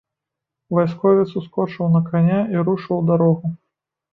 Вайсковец ускочыў на каня і рушыў у дарогу.